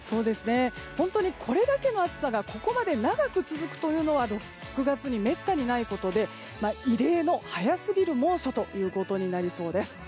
本当にこれだけの暑さがここまで長く続くというのは６月にめったにないことで異例の早すぎる猛暑ということになりそうです。